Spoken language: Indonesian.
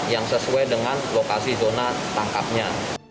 yang sesuai dengan lokasi zona tangkapnya